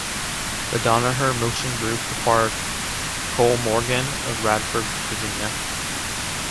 The Danaher Motion group acquired Kollmorgen, of Radford, Virginia.